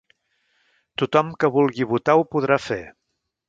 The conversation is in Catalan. Tothom que vulgui votar ho podrà fer.